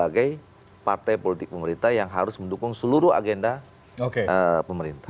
tapi agenda partai golkar sebagai partai politik pemerintah yang harus mendukung seluruh agenda pemerintah